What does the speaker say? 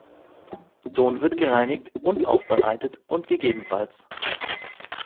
Ton wird gereinigt und aufbereitet und ggf.